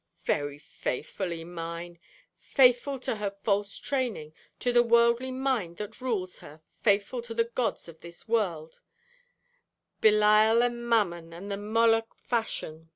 'Very faithfully mine faithful to her false training, to the worldly mind that rules her; faithful to the gods of this world Belial and Mammon, and the Moloch Fashion.